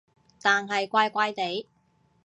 但係怪怪地